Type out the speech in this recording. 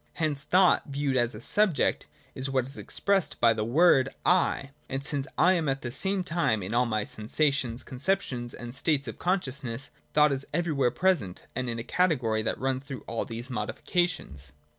Hence thought, viewed as a subject, is what is expressed by the word ' I ': and since I am at the same time in all my sensations, conceptions, and states of consciousness, thought is everywhere present, and is a category that runs through all these modifications.